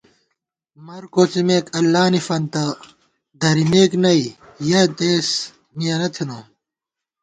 مر کوڅِمېک اللہ نی فنتہ، درِمېک نئ یَہ دېس مِیَنہ تھنہ